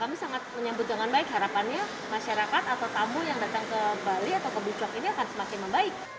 kami sangat menyambut dengan baik harapannya masyarakat atau tamu yang datang ke bali atau ke bucok ini akan semakin membaik